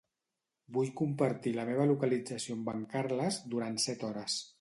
Vull compartir la meva localització amb en Carles durant set hores.